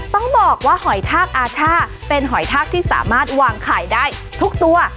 ต้องบอกว่าหอยทากอาช่าเป็นหอยทากที่สามารถวางไข่ได้ทุกตัว